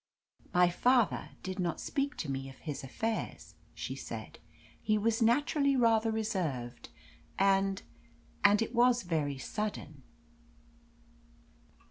"My father did not speak to me of his affairs," she said. "He was naturally rather reserved, and and it was very sudden."